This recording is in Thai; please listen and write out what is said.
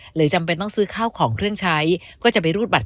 จำเป็นต้องซื้อข้าวของเครื่องใช้ก็จะไปรูดบัตร